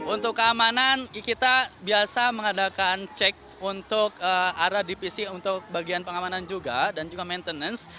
untuk keamanan kita biasa mengadakan cek untuk arah dpc untuk bagian pengamanan juga dan juga maintenance